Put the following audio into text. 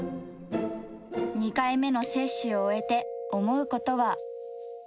２回目の接種を終えて思うことは。